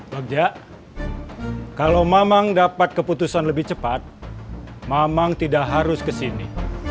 bagja kalau mamang dapat keputusan lebih cepat mamang tidak harus ke sini